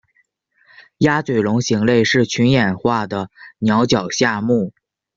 鸭嘴龙形类是群衍化的鸟脚下目。